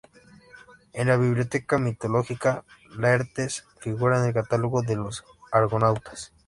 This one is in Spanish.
En la "Biblioteca mitológica", Laertes figura en el catálogo de los Argonautas.